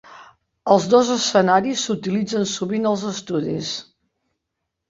Els dos escenaris s'utilitzen sovint als estudis.